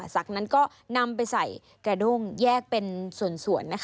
จากนั้นก็นำไปใส่กระด้งแยกเป็นส่วน